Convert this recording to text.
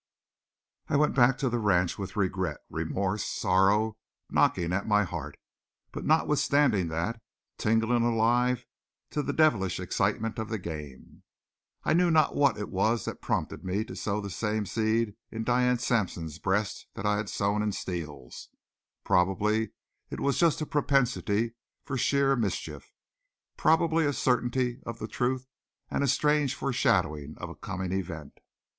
I went back to the ranch with regret, remorse, sorrow knocking at my heart, but notwithstanding that, tingling alive to the devilish excitement of the game. I knew not what it was that prompted me to sow the same seed in Diane Sampson's breast that I had sown in Steele's; probably it was just a propensity for sheer mischief, probably a certainty of the truth and a strange foreshadowing of a coming event.